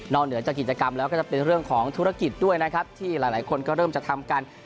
เหนือจากกิจกรรมแล้วก็จะเป็นเรื่องของธุรกิจด้วยนะครับที่หลายคนก็เริ่มจะทำกัน